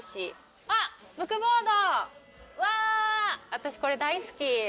私これ大好き。